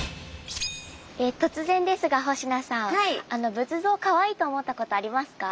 突然ですが星名さん仏像をかわいいと思ったことありますか？